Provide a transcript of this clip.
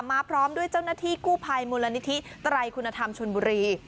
พร้อมด้วยเจ้าหน้าที่กู้ภัยมูลนิธิไตรคุณธรรมชนบุรี